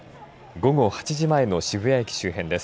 午後８時前の渋谷駅周辺です。